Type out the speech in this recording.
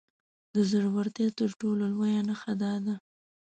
د زورورتيا تر ټولو لويه نښه دا ده.